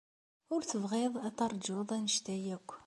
Ur tebɣiḍ ad teṛjuḍ anect-a akk.